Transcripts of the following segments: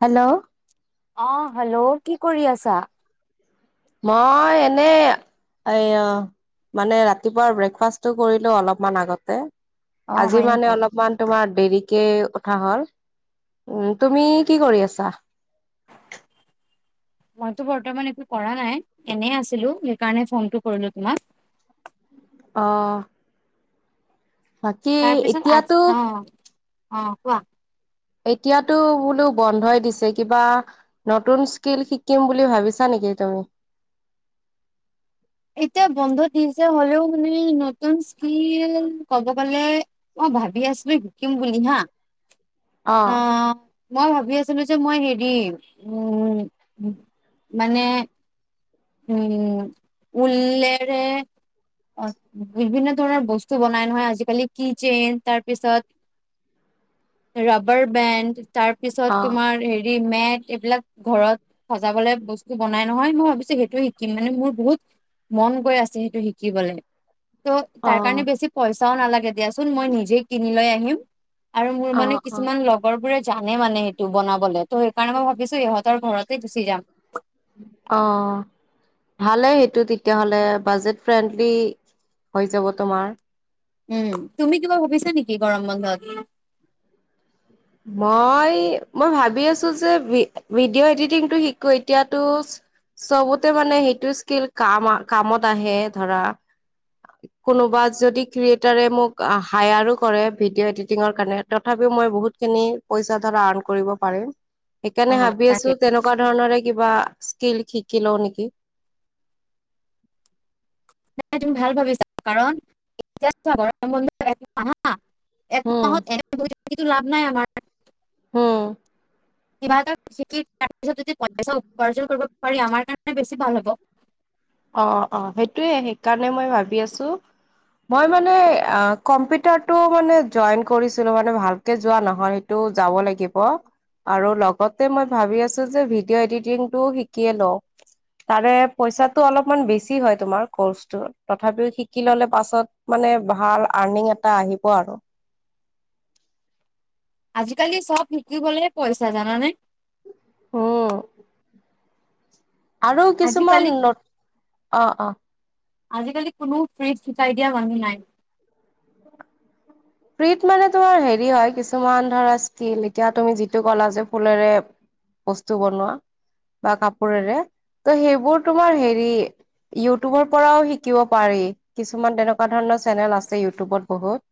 Hello অহ hello, কি কৰি আছা? মই এনেই এয়া মানে ৰাতিপুৱাৰ ব্ৰেকফাষ্টটো কৰিলো অলপমান আগতে অ আজি হয় নেকি মানে অলপমান তোমাৰ দেৰিকে উঠা হ'ল। উম, তুমি কি কৰি আছা? মইতো বৰ্তমান একো কৰা নাই এনে আছিলো সেইকাৰণে ফোনটো কৰিলো তোমাক। [unintelligible] আহ তাৰপিছত এতিয়াতো আজি অ-অ কোৱা? এতিয়াতো বোলো বন্ধই দিছে কিবা নতুন স্কিল শিকিম বুলি ভাবিছা নেকি? কি তুমি [unintelligible] [unintelligible] এতিয়া বন্ধ দিছে হ'লেও মানে নতুন স্কিল ক'ব গলে মই ভাবি আছো শিকিম বুলি। হা অ', মই ভাবি আছিলো যে মই হেৰি উম মানে উম, উল্লেৰে অ বিভিন্ন ধৰণৰ বস্তু বনাই নহয় আজিকালি কিচেইন তাৰপিছত ৰবাৰ বেণ্ড তাৰ পিছত অ তোমাৰ হেৰি মেট এইবিলাক ঘৰত সজাবলে বস্তু বনাই নহয় মই ভাবিছো সেইটোয়ে শিকিম মানে মোৰ বহুত। মন গৈ আছে সেইটো শিকিবলে ত' অ তাৰ কাৰণে বেছি পইচা। এটাও নালাগে দিয়াচোন মই নিজে কিনি লৈ আহিম আৰু মোৰ অ মানে অ কিছুমান লগৰ বোৰে। জানে মানে সেইটো বনাবলে ত' সেইকাৰণে মই ভাবিছো ইহঁতৰ ঘৰতে গুচি যাম। অ ভালে সেইটো তেতিয়াহ'লে বাজেট ফ্ৰেণ্ডলি হৈ যাব তোমাৰ। উম, তুমি কিবা ভাবিছে নেকি গৰম বন্ধত মই-মই ভাবি আছো যে ভি ভিডিঅ' এডিটিংটো শিকো এতিয়াতো। চবতে মানে সেইটো স্কিল কাম কামত আহে ধৰা কোনোবা যদি ক্ৰিয়েটাৰে মোক হায়াৰো কৰে ভিডিঅ' এডিটিংৰ কাৰণে তথাপিও মই বহুত খিনি পইচা ধৰা আৰ্ন কৰিব পাৰিম সেইকাৰণে অ ভাবি তাকে আছো তেনেকুৱা ধৰণৰে কিবা স্কিল শিকি লও নেকি নাই তুমি ভাল ভাবিছা কাৰণ এতিয়া চোৱা গৰম বন্ধত আহা এক হম মাহত এনে বহি থাকিটো লাভ নাই আমাৰ উম কিবা এটা যিটি কৰাৰ পিছত যদি পইচা উপাৰ্জন কৰিব পাৰি আমাৰ কাৰণে বেছি ভাল হ'ব অ' অ' সেইটোয়ে সেইকাৰণে মই ভাবি আছো মই মানে হা কম্পিউটাৰটো মানে জইন কৰিছিলোঁ মানে ভালকে যোৱা নহয়তো আকৌ যাব লাগিব আৰু লগতে মই ভাৱি আছো যে ভিডিঅ' এডিটিংটোও শিকিয়ে লওঁ। তাৰে পইচাত তো অলপমান বেছি হয় তোমাৰ ক'ৰ্চটো তথাপিও শিকি ল'লে পাছত মানে ভাল আৰ্নিং এটা এটা আহিব আৰু আজিকালি চব শিকিবলে পইচা জানানে উম আৰু আজিকালি কিছুমান নত অ অ আজিকালি কোনো ফ্ৰীত শিকাই দিয়া মানুহ নাই ফ্ৰীত মানে তোৰ হেৰি হয় কিছুমান ধৰা স্কীম এতিয়া তুমি যিটো কলা যে ফুলেৰে বস্তু বনোৱা বা কাপোৰেৰে ত' সেইবোৰ তোমাৰ হেৰি ইউটুবৰ পৰাও শিকিব পাৰি কিছুমান তেনেকুৱা ধৰণৰ চেনেল আছে ইউটুবত বহুত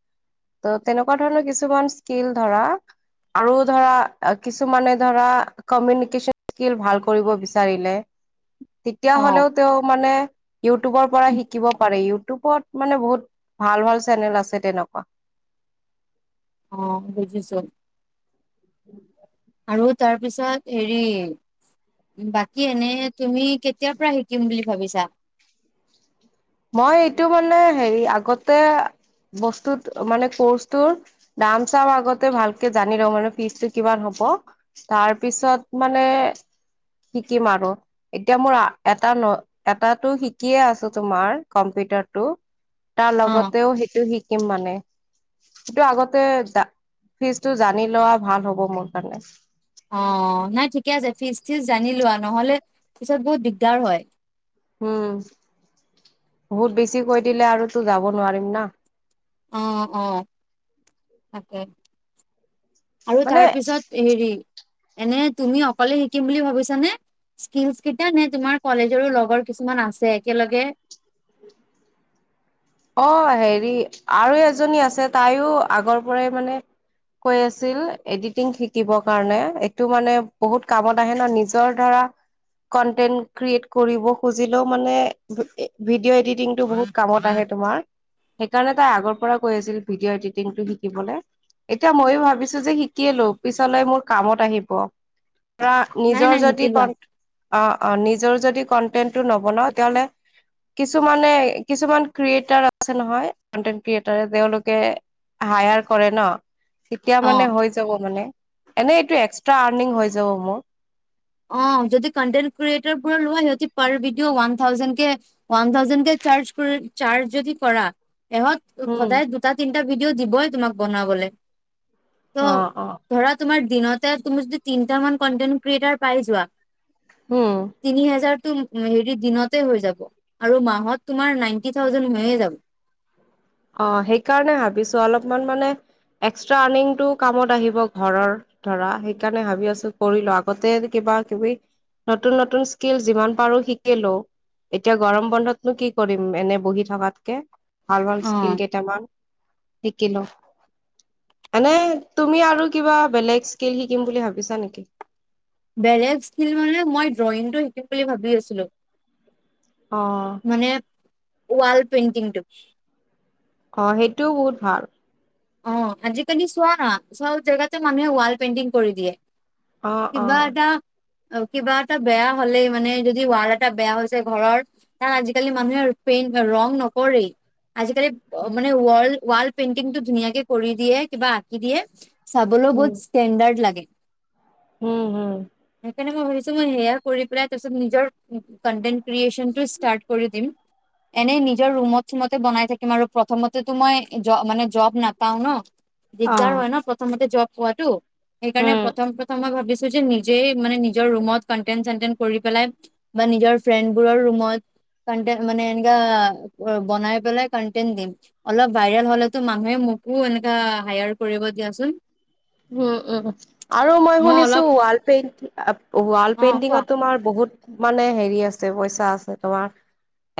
ত' তেনেকুৱা ধৰণৰ কিছুমান স্কিল ধৰা আৰু ধৰা কিছুমানে ধৰা কমিউনিকেশ্যন স্কিল ভাল কৰিব বিচাৰিলে তেতিয়া অ হ'লেও তেওঁ মানে ইউটুবৰ পৰা শিকিব পাৰে ইউটুবত মানে বহুত ভাল ভাল চেনেল আছে তেনেকুৱা অ বুজিছো আৰু তাৰপিছত হেৰি বাকী এনে তুমি কেতিয়াৰ পৰা শিকিম বুলি ভাবিছা মই এইটো মানে হেৰি আগতে বস্তুত মানে ক'ৰ্চটোৰ দাম চাম আগতে ভালকে জানি লওঁ মানে ফিজটো কিমান হ'ব ব তাৰ পিছত মানে শিকিম আৰু এতিয়া মোৰ এটা ন এটাতো শিকিয়ে আছো তোমাৰ কম্পিউটাৰটো তাৰ অ লগতেও সেইটো শিকিম মানে সেইটো আগতে দা ফিজটো জানি লোৱা ভাল হ'ব মোৰ কাৰণে অ নাই ঠিকে আছে ফিজ তিজ জানি লোৱা নহলে পিছত বহুত দিগদাৰ হয় উম বহুত বেছি কৈ দিলে আৰু তো যাব নোৱাৰিম না অ' অ' অ' তাকে আৰু মানে তাৰ পিছত হেৰি এনে তুমি অকলে শিকিম বুলি ভাবিছানে স্কিলচ কেইটা নে তোমাৰ কলেজৰো লগৰ কিছুমান আছে একেলগে [unintelligible] অ হেৰি আৰু এজনী আছে তাইও আগৰ পৰাই মানে কৈ আছিল এডিটিং শিকিব কাৰণে এইটো মানে বহুত কামত আহে ন নিজৰ ধৰা কনটেন্ট ক্ৰিয়েট কৰিব খুজিলেও মানে ভিডিঅ' এডিটিংটো বহুত কামত আহ তোমাৰ সেইকাৰণে তাই আগৰ পৰা কৈ আছিল ভিডিঅ' এডিটিংটো শিকিবলৈ এতিয়া ময়ো ভাবিছো যে শিকিয়েলো পিছলৈ মোৰ কামত আহিব ধৰা নাই নিজৰ নাই শিকি যদি লোৱা কন অ অ নি নিজৰ যদি কন্টেন্টো নবনাও তেতিলে কিছুমানে কিছুমান ক্ৰিয়েটাৰ আছে নহয় কনটেনট ক্ৰিয়েটাৰে তেওঁলোকে হায়াৰ কৰে ন তেতিয়া অ মানে হৈ যাব মানে এনেই এইটো এক্সট্ৰা আৰ্নিং হৈ যাব মোৰ অ', যদি কণ্টেন্ট ক্ৰিয়েটৰ লোৱা সিঁহতে পাৰ video one thousand, one thousand কে চাৰ্জ কৰি চাৰ্জ যদি কৰা ইহঁত উম সদায় দুটা তিনটা ভিডিঅ' দিবই তোমাক বনাবলৈ ত' অ অ ধৰা তোমাৰ দিনতে তুমি যদি তিনটামান কনটেন্ট ক্ৰিয়েটাৰ পাই যোৱা উম তিনি হাজাৰ হেৰি দিনতে হৈ যাব আৰু মাহত তোমাৰ নাইনটি থাউজেন হৈয়ে যাব [unintelligible] অ', সেইকাৰণে ভাবিছো অলপমান মানে এক্স্ৰা আৰ্নিংটো কামত আহিব ঘৰৰ ধৰা সেইকাৰণে ভাবি আছো কৰিলো আগতে বা কিবি নতুন, নতুন স্কিল যিমান পাৰো শিকিলো এতিয়া গৰম বন্ধতনো কি কৰিম এনে বহি থকাতকে ভাল কিল অ কেইটামান শিক কিলো এনে তুমি আৰু কিবা বেলেগ স্কিল শিকিম বুলি ভাবিছা নেকি বেলেগ স্কিল মানে মই ড্ৰয়িংটো শিকিম বুলি ভাবি আছিলো অ', মানে ৱাল পেইণ্টিংটো অ', সেইটোও বহুত ভাল অ', আজিকালি চোৱা নহ চব জেগাতে মানুহে ৱাল পেইণ্টিং কৰি দিয়ে অ অ কিবা এটা অ', কিবা এটা বেয়া হলেই মানে যদি ৱাল এটা বেয়া হৈছে ঘৰৰ ত আজিকালি মানুহে পেইনট ৰং নকৰেই আজিকালি মানে ৱল ৱাল পেইণ্টিংটো ধুনীয়াকে কৰি দিয়ে কিবা আঁকি দিয়ে চাবলৈও উম বহুত ষ্টেণ্ডাৰ্ড লাগে উম, হম। সেইকাৰণে মই ভাবছো মই সেয়া কৰি পেলাই তাৰিছ নিজ কেন্টেট ক্ৰিচনৰ ষ্টাৰ্ট কৰি দিম এনেই নিজৰ ৰুমত চুমতে বনাই থাকিম আৰু প্ৰথমতেতো মই মানে জব পাও ন অ দিগদাৰ হয় ন প্ৰথমতে জৱ পোৱাতটো সেইকাৰণে উম প্ৰথম, প্ৰথম মই ভাবিছো যে নিজেই মানে নিজৰ ৰুমত কন্টেন চেন্টন কৰি পেলাই বা নিজৰ ফ্ৰেণ্ডবোৰৰ ৰুমত কন্টেন মানে এনেকা বনাই পেলাই কন্টেন দিম অলপ ভাইৰেল হলেতো মানুহে এনেকা হায়াৰ কৰিব দিয়াচোন উম, উম আৰু মই শুনিছো ৱাল পেইণ্টি ৱাল অ কোৱা পেইণ্টিঙত তোমাৰ বহুত মানে হেৰি আছে পইচা আছে তোমাৰ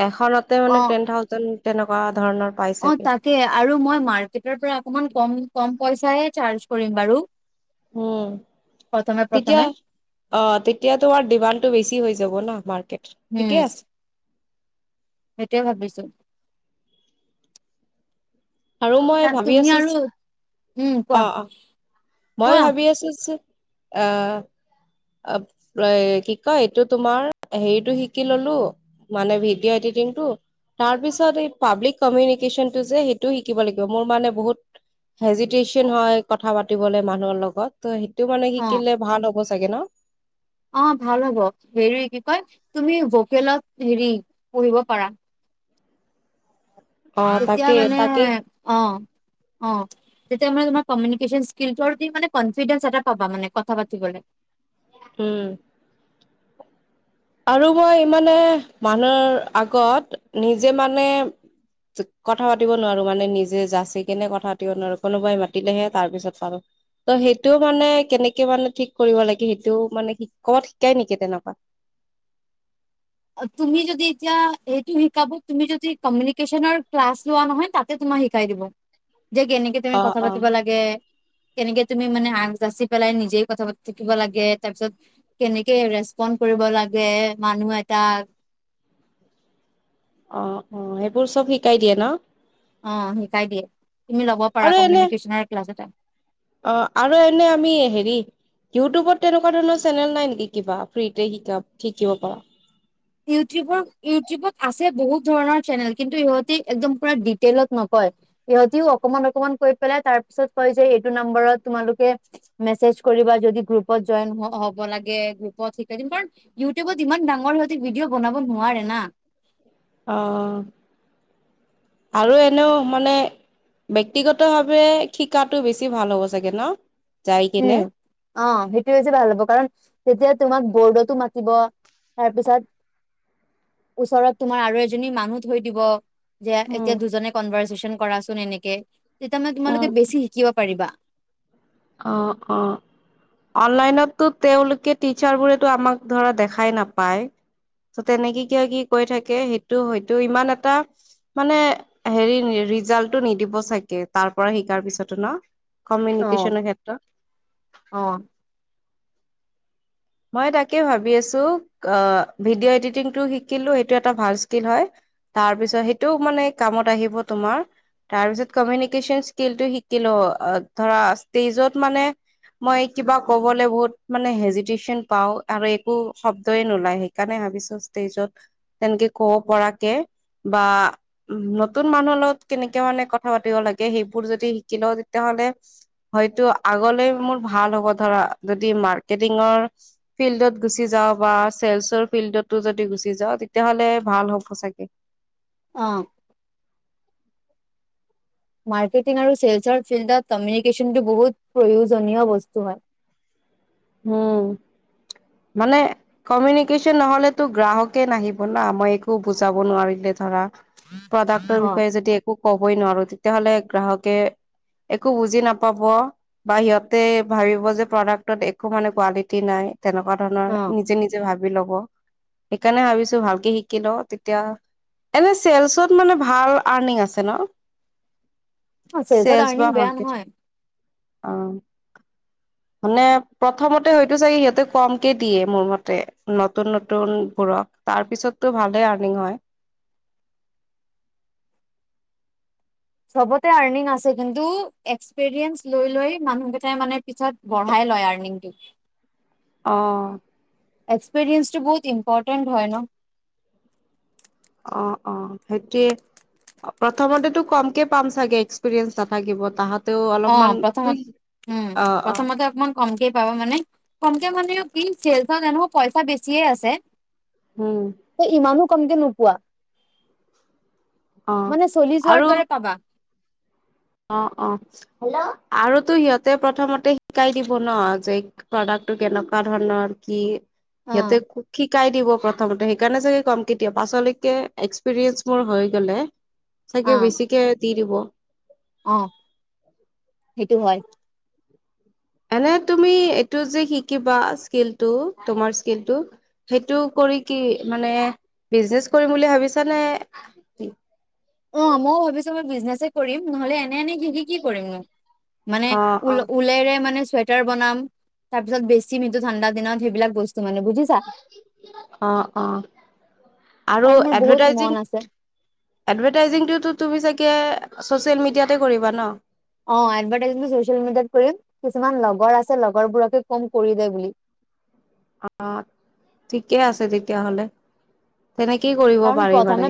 এখনতে মানে অ টেন থাউজেন তেনেকুৱা ধৰণৰ পাই অ', চাগে তাকে আৰু মই মাৰ্কেটৰ পৰা অকমান কম, কম পইচাইে চাৰ্জ কৰিম বাৰু উম। প্ৰথমে, তেতিয়া প্ৰথমে অ', তেতিয়াটো আৰু ডিমাণ্ডটো বেছি হৈ যাব ন, মাৰ্কেটত, ঠিকে আছে সেইটোৱে ভাবিছো আৰু তা মই ভাবি তুমি আছো, আৰু উম কোৱা অ', অ', মই কোৱা ভাবি আছো যে, আহ, অ', কি কয়, এইটো তোমাৰ, হেৰিটো শিকি ললো, মানে ভিডিঅ' এডিত কিন্তু, তাৰপিছত এই পাব্লিক কমিউনিকেশ্যনটো যে, সেইটো শিকিব লাগিব। মোৰ মানে বহুত হেজিটেচন হয়, কথা পাতিবলে মানুহৰ লগত তো টো মানে অ শিকিলে ভাল হ'ব চাগে ন? অ' ভাল হ'ব, হেৰি কি কয়? তুমি ভোকেলত হেৰি পঢ়িব পাৰা। অ তেতিয়া তাকে মানে তাকেই হে অ'। অ। তেতিয়া মানে তোমাৰ কমিউনিকেচন স্কিলটো আৰু তুমি মানে কনফিডেন্স এটা পাবা মানে কথা পাতিবলে। [inaudible] উম। আৰু মই মানে, মানুহৰ আগত, নিজে মানে কথা পাতিব নোৱাৰো, মানে নিজে যাচি কেনে কথা পাতিব নোৱাৰো, কোনোবাই মাতিলেহে তাৰ পিছত পাৰো। ত' সেইটো মানে, কেনেকে মানে, ঠিক কৰিব লাগে, সেইটোও মানে কি, কৰবাত শিকাই নেকি তেনেকুৱা? তুমি যদি এতিয়া, এইটো শিকাব তুমি যদি কমিউনিকেচনৰ ক্লাছ লোৱা নহয়, তাতে তোমাৰ শিকাই দিব, যে কেনেকে তুমি অ কথা অ পাতিব লাগে। কেনেকে তুমি মানে আগ-যাচি পেলাই নিজে কথা পাতি থাকিব লাগে, তাৰ পিছত কেনেকে ৰেচপন কৰিব লাগে, মানুহ এটাক। অ, অ। সেইবোৰ চব শিকাই দিয়ে ন? অ শিকাই দিয়ে। তুমি ল'ব পাৰা আৰু এনে কমিউনিকেশ্যনৰ ক্লাছ এটা। অ। আৰু এনে আমি, হেৰি ইউটিউবত তেনেকুৱা ধৰণৰ চেনেল নাই নেকি কিবা? ফ্ৰীতে শিকা, শিকিব পাৰা। ইউটিউবৰ, ইউটিউবত আছে বহুত ধৰণৰ চেনেল। কিন্তু ইহতি একদম পুৰা ডিটেইলত নক কয়, সিহঁতিও অকণমান অকণমান কৈ পেলাই তাৰ পাছত কয় যে, এইটো নম্বৰত তোমালোকে মেছেজ কৰিবা, যদি গ্ৰুপত জইন হব লাগে, গ্ৰুপত শিকাই দিম, কাৰন ইউটিউবত ইমান ডাঙৰ হৈ ভিডিঅ' বনাব নোৱাৰে না। অ। আৰু এনেও মানে ব্যক্তিগত ভাৱে শিকাতো বেছি ভাল হ'ব চাগে ন? যাই কিনে। উম অ সেইটো বেছি ভাল হ'ব কাৰণ তেতিয়া তোমাক বৰ্ডতো মাতিব তাৰপিছত ওচৰত তোমাৰ আৰু এজনী মানুহ থৈ দিব। যে উম, এতিয়া দুজনে কনভাৰচেচন কৰাচোন এনেকে, তেতিয়া মানে উম, তোমালোকে বেছি শিকিব পাৰিবা। অ অ। অনলাইনতটো তেওঁলোকে টিচাৰবোৰেটো আমাক ধৰা দেখাই নাপায়। তো তেনেকে কিয়, কি কৈ থাকে। সেইটো হয়তো ইমান এটা মানে হেৰি ৰিজাল্টটো নিদিব চাগে, তাৰপৰা শিকাৰ পিছতো ন? কমিত অ' অ'। মই তাকে ভাবি আছোঁ, অ' ভিডিঅ' এডিটিং টো শিকিলোঁ, সেইটো এটা ভাল স্কিল হয়। তাৰপিছত, সেইটো মানে কামত আহিব তোমাৰ। তাৰপিছত কমিউনিকেশচন স্কিলটো শিকিলোঁ ধৰা ষ্টেজত মানে মই কিবা ক'বলৈ বহুত মানে হেজি তেচন পাওঁ আৰু একো শব্দয়ে নোলাই সেইকাৰণে ভাবিছোঁ ষ্টেজত তেনেকে কব পৰা তাকে বা, নতুন মানুহৰ লগত কেনেকে মানে কথা পাতিব লাগে, সেইবোৰ যদি শিকি লওঁ, তেতিয়াহ'লে হলে হয়টো আগলে মোৰ ভাল হ'ব ধৰা যদি মৰ্কেটিক পূৰ্ণ ফিল্ডত গুচি যাওঁ বা, ছেলচৰ ফিল্ডটো যদি গুচি যাওঁ, তেতিয়াহ'লে ভাল সঁচাকে আহ। মাৰ্কেটিং আৰু চেলচৰ ফিল্ডত কমিউনিকেশ্যনটো বহুত প্ৰয়োজনীয় বস্তু হয় [inaudible] উম মানে কমিউনিকেশচন নহলেতো গ্ৰাহকে নাহিব ন মই একো বুজাব নোৱাৰিলে ধৰা প্ৰডাক্টৰ অ বিষয়ে যদি একো কবই নোৱাৰো তেতিয়াাহলে গ্ৰাহকে একো বুজি নাপাব বা সিহঁতে ভাবিব যে প্ৰডাক্টত একো মানে কোৱালিটি নাই তেনেকুৱা ধৰণৰ অ নিজে নিজে ভাবি ল'ব। সেইকাৰণে ভাবিছো ভালকে শিকি ল তেতিয়া এনে চেলচত মানে অনিংআছে ন অ চেলচত চেলছ বা আৰ্নিং বেয়া মাৰ্কেট নহয় অ মানে প্ৰথমতে হয়তো চাগে সিহঁতে কমকে দিয়ে মোৰ মতে নতুন নতুনবোৰক তাৰ পিছত টো ভালে আৰ্নিং হয়। [unintelligible] চবতে আৰ্নিং আছে কিন্তু এক্সপিৰিয়েঞ্চ লৈ লৈ মানুহকেইটাই মানে পিছত বঢ়াই লয় আৰ্নিংটো আহঁ এক্সপৰিয়েন্সটো বহুত ইম্পৰ্টেণ্ট হয় ন। অ অ সেইটোৱে। প্ৰথমতেতো কমকে পাম চাগে এক্সপিৰিয়েঞ্চ নাথাকিব তাহাতেও অ', অলপমান প্ৰথমত উম অ অ প্ৰথমতে অকমান কমকে পাবা মানে কমকে [unintelligible] চা নাই নহওঁক পইচা বেছিয়ে আছে। হম। ত' ইমানো কমকে নোপোৱা অ মানে চলি আৰু যোৱাৰ দৰে পাবা। অ অ আৰুতো সিহঁতে প্ৰথমতে শিকাই দিব ন যে প্ৰডাক্ট টো কেনেকুৱা ধৰণৰ কি অ', সিহঁতে শিকাই দিব প্ৰথ থমতে সেইকাৰণে চাগে কমকৈ দিয়ে পাছলৈকে এক্সপিৰিয়েঞ্চ মোৰ হৈ গ'লে চাগে অ', বেছিকে দি দিব। অ সেইটো হয়। এনে তুমি এইটো যে শিকিবা স্কিলটো তোমাৰ স্কিলটো সেইটো ক কৰি কি মানে বিজনেচ কৰিম বুলি ভাবিছ নে কি? অ ময়ো ভাবিছো মোৰ বিজনেজে কৰিম নহ'লে এনে এনে সিকি কি কৰিম নো? মানে অ', ও অ', ওলাইৰে মানে চু চুৱেটাৰ বনাম তাৰ পিছত বেচিম সেইটো ঠাণ্ডা দিনত সেইবিলাক বস্ত চু মানে বুজিছা। অ', অ', আৰু কাৰণ মোৰ বহুত মন এডভাৰটাইজিং, আছে এডভাই টাইজিংটোতো তুমি চাগে ছ'চিয়েল মিডিয়াতে কৰিবা ন? অ এডভাৰটাইজিং ছ'চিয়েল মিডিয়াত কৰিম, কিছুমান লগৰ আছে লগৰবোৰকে কম কৰি দে বুলি। [inaudible] অ ঠিকে আছে তেতিয়া হ'লে তেনেকেই কৰিব কাৰণ পাৰি প্ৰথমে মানে।